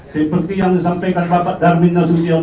seperti yang disampaikan bapak darmin nasution